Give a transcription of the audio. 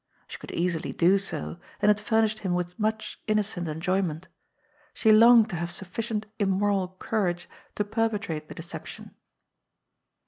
She could easily do so, and it furnished him with much innocent enjoyment. She longed to have sufS cient immoral courage to perpetrate the deception.